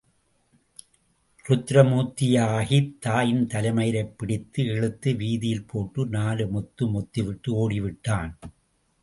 ருத்ரமூர்த்தியாகித் தாயின் தலைமயிரைப் பிடித்து இழுத்து வீதியில் போட்டு நாலு மொத்து மொத்திவிட்டு ஒடிவிட்டான்.